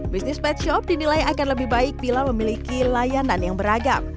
bisnis pet shop dinilai akan lebih baik bila memiliki layanan yang beragam